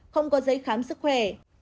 không có giấy khám sức khỏe